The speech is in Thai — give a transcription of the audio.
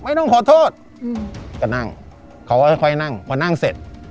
ต้องขอโทษอืมก็นั่งเขาก็ค่อยค่อยนั่งพอนั่งเสร็จ